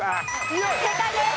正解です。